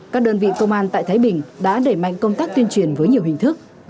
các đơn vị công an tại thái bình đã đẩy mạnh công tác tuyên truyền với nhiều hình thức